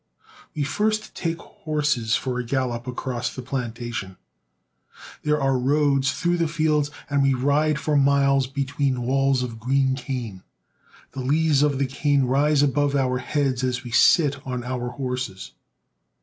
We first take horses for a gallop .. i across the plantation. There are roads through the fields, and we ride for miles between walls of green cane. The leaves of the cane rise above our heads as we sit on our horses.